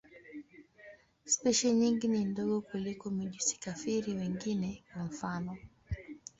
Spishi nyingi ni ndogo kuliko mijusi-kafiri wengine, kwa mfano.